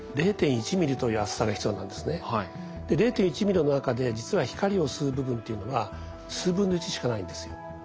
０．１ミリの中で実は光を吸う部分っていうのは数分の１しかないんですよ。